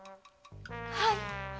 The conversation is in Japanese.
はい。